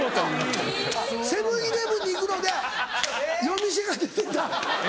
あっセブン−イレブンに行くので夜店が出てた？